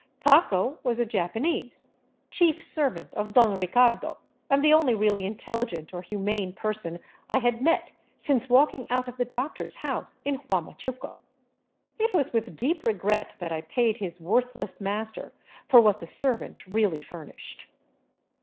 " Taco " was a Japa nese, chief servant of Don Ricardo, and the only really intelligent or humane person I had met since walking out of the doctor's house in Huamachuco. It was with deep regret that I paid his worthless mas ter for what the servant really furnished.